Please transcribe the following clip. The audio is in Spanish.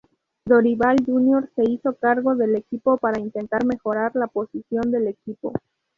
Dorival Júnior se hizo cargo del equipo para intentar mejorar la posición del equipo.